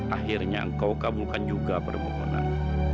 akhirnya engkau kabulkan juga permohonan